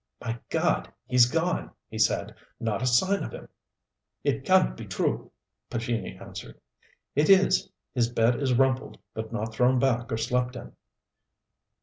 "My God, he's gone," he said. "Not a sign of him." "It can't be true," Pescini answered. "It is. His bed is rumpled but not thrown back or slept in."